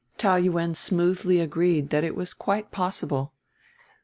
Taou Yuen smoothly agreed that it was quite possible.